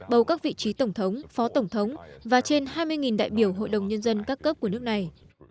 bầu các vị trí tổng thống phó tổng thống và trên hai mươi đại biểu hội đồng nhân dân các cấp của nước này